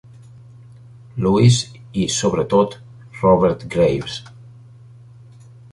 Lewis i, sobretot, Robert Graves.